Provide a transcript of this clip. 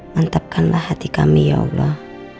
mantapkanlah hati kami ya allah